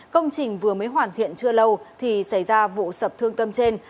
công trình vừa mới hoàn thiện chưa lâu thì xảy ra vụ sập thương tâm trên